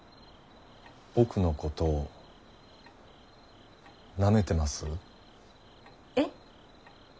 僕のことを舐めてます？え！？